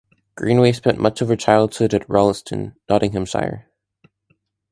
Greenaway spent much of her childhood at Rolleston, Nottinghamshire.